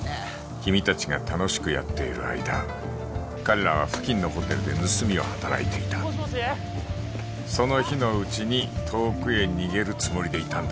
・君達が楽しくやっている間彼らは付近のホテルで盗みを働いていたその日のうちに遠くへ逃げるつもりでいたんだ